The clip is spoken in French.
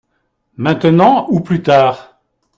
Maintenant ou plus tard ?